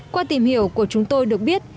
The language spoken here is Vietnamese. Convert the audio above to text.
qua tìm hiểu của chúng tôi được biết